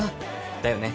だよね！